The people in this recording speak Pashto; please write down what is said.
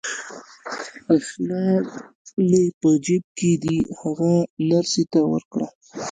اسناد مې په جیب کې دي، هغه نرسې ته ورکړه.